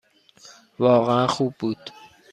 واقعاً خوب بود.